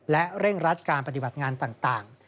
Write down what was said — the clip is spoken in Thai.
และเร่งรัดการปฏิบัติงานต่าง